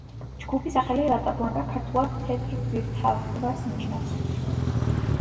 ჯგუფის სახელი „რატა ბლანკა“ ქართულად „თეთრ ვირთაგვას“ ნიშნავს.